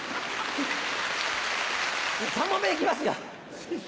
３問目いきますよ！